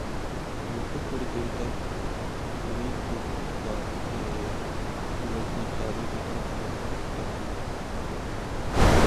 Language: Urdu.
وہ خود بڑی دیر تک بھوری کو پچکارتے رہے، مگر اس نے چارے کی طرف دیکھا تک نہیں۔